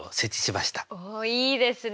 おっいいですね